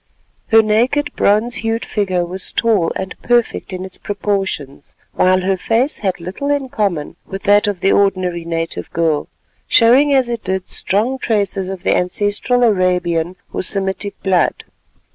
Her naked bronze hued figure was tall and perfect in its proportions; while her face had little in common with that of the ordinary native girl, showing as it did strong traces of the ancestral Arabian or Semitic blood.